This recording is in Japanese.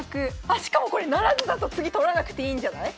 あっしかもこれ不成だと次取らなくていいんじゃない？